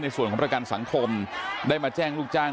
ในส่วนของประกันสังคมได้มาแจ้งลูกจ้าง